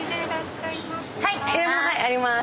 はいあります。